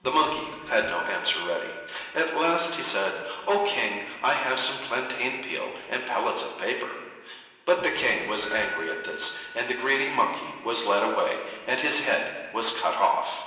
The monkey had no answer ready. At last he said, "O King, I have some plantain peel and pellets of paper." But the King was angry at this, and the greedy Monkey was led away, and his head was cut off.